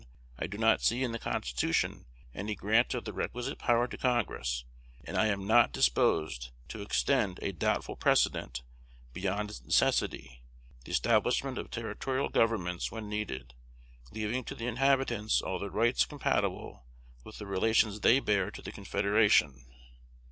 I do not see in the Constitution any grant of the requisite power to Congress; and I am not disposed to extend a doubtful precedent beyond its necessity, the establishment of territorial governments when needed, leaving to the inhabitants all the rights compatible with the relations they bear to the Confederation."